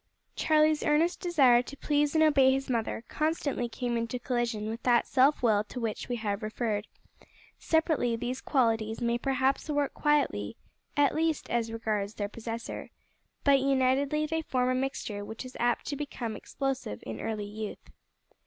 Charlie's earnest desire to please and obey his mother constantly came into collision with that self will to which we have referred. Separately, these qualities may perhaps work quietly, at least as regards their possessor, but unitedly they form a mixture which is apt to become explosive in early youth.